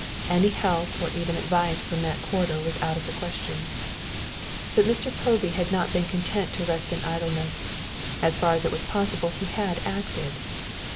Any help or even advice from that quarter was out of the question. But Mr. Povey had not been content to rest in idleness; as far as it was possible he had acted.